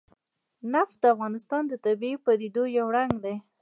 نفت د افغانستان د طبیعي پدیدو یو رنګ دی.